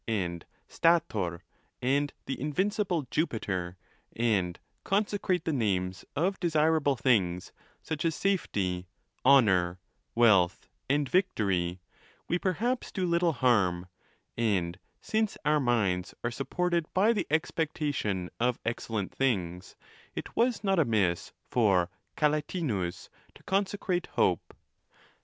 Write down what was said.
and Stator,' and the invincible Jupiter, and consecrate the names of desirable things, such as Safety, Honour, Wealth, and Victory, we perhaps do little harm; and, since our minds are sup ported by the expectation of excellent things, it was not amiss for Calatinus to consecrate Hope.